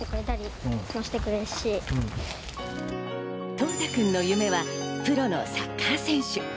統太くんの夢はプロのサッカー選手。